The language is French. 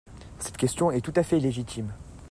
Cette question est tout à fait légitime.